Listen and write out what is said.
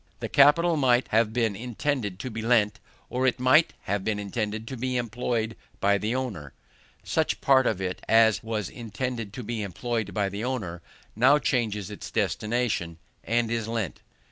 The capital might have been intended to be lent, or it might have been intended to be employed by the owner: such part of it as was intended to be employed by the owner now changes its destination, and is lent.